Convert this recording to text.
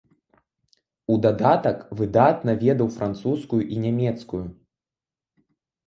У дадатак выдатна ведаў французскую і нямецкую.